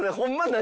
何？